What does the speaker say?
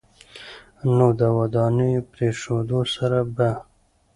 نو د دوائي پرېښودو سره به